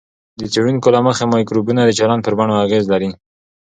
د څېړونکو له مخې، مایکروبونه د چلند پر بڼو اغېز لري.